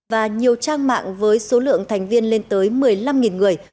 và nhiều trang mạng với số lượng thành viên lên tới một mươi năm người